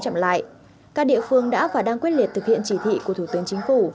chậm lại các địa phương đã và đang quyết liệt thực hiện chỉ thị của thủ tướng chính phủ